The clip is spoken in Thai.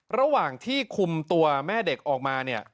ระหว่างที่คุมตัวแม่เด็กออกมาเนี่ย